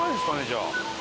じゃあ。